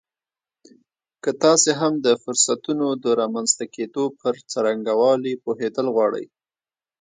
که تاسې هم د فرصتونو د رامنځته کېدو پر څرنګوالي پوهېدل غواړئ